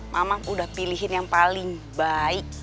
mamang udah pilihin yang paling baik